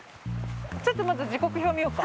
ちょっとまず時刻表見ようか。